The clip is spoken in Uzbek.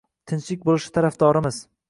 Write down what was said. Tinchlik boʻlishi tarafdorimiz